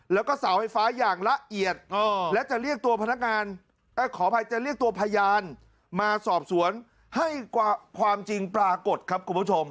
แล้วก็ส่าวไฟฟ้าอย่างละเอียดและจะเรียกตัวพยานมาสอบสวนให้ความจริงปรากฏครับคุณผู้ชม